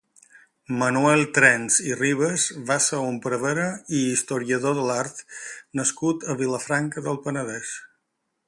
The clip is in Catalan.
Manuel Trens i Ribas va ser un prevere i historiador de l'art nascut a Vilafranca del Penedès.